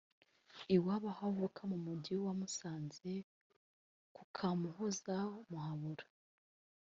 iwabo aho avuka mu Mujyi wa Musanze ku Kamuhoza-Muhabura